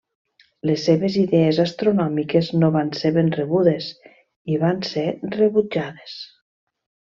Les seves idees astronòmiques no van ser ben rebudes i van ser rebutjades.